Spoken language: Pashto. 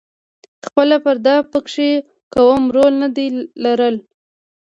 خپله فرد پکې کوم رول ندی لرلای.